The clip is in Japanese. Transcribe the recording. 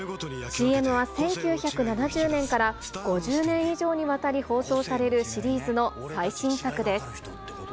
ＣＭは１９７０年から５０年以上にわたり放送されるシリーズの最新作です。